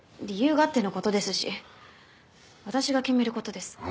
理由があっての事ですし私が決める事です。